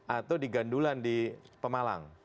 atau di gandulan di pemalang